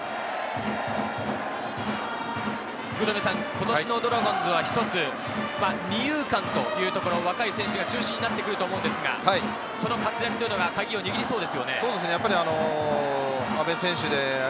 今年のドラゴンズは一つ、二遊間というところは若い選手が中心になってくると思うんですが、その活躍というのがカギをにぎりそうですね。